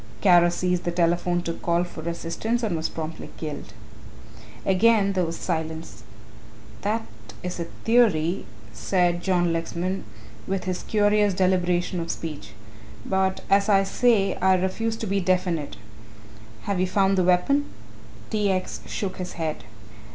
Kara seized the telephone to call for assistance and was promptly killed." Again there was silence. "That is a theory," said John Lexman, with his curious deliberation of speech, "but as I say I refuse to be definite have you found the weapon?" T. X. shook his head.